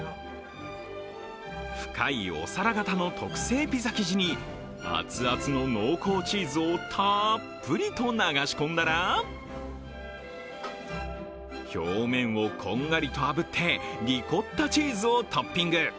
深いお皿型の特製ピザ生地に、熱々の濃厚チーズをたっぷりと流し込んだら、表面をこんがりとあぶってリコッタチーズをトッピング。